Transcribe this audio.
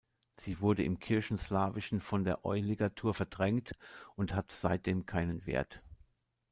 Sie wurde im Kirchenslawischen von der Ѹ-Ligatur verdrängt und hat seitdem keinen Wert.